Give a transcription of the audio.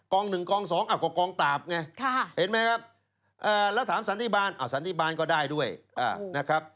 ๑กอง๒ก็กองปราบไงเห็นไหมครับแล้วถามสันติบาลสันติบาลก็ได้ด้วยนะครับ